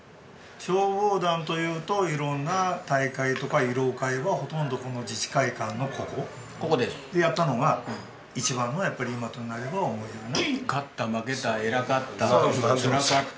消防団というと色んな大会とか慰労会はほとんどこの自治会館のここでやったのが一番のやっぱり今となれば思い出だな。